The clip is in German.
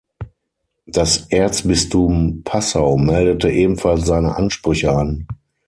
Das Erzbistum Passau meldete ebenfalls seine Ansprüche an.